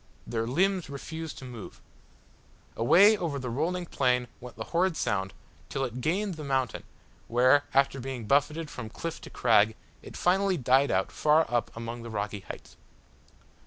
Their limbs refused to move. Away over the rolling plain went the horrid sound till it gained the mountain where, after being buffeted from cliff to crag, it finally died out far up among the rocky heights.